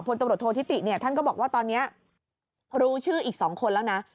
ตำรวจโทษธิติเนี่ยท่านก็บอกว่าตอนนี้รู้ชื่ออีก๒คนแล้วนะ